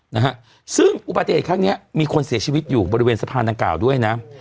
นะฮะซึ่งอุบัติเหตุครั้งเนี้ยมีคนเสียชีวิตอยู่บริเวณสะพานดังกล่าวด้วยนะ